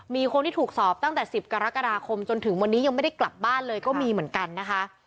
มีคนที่ถูกสอบตั้งแต่๑๐กรกฎาคมจนถึงวันนี้ยังไม่ได้กลับบ้านเลยก็มีเหมือนกันนะคะ